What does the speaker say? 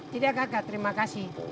tidak kakak terima kasih